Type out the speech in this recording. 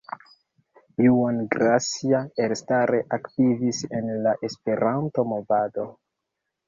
Juan Gracia elstare aktivis en la Esperanto movado.